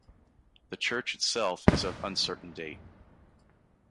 The church itself is of uncertain date.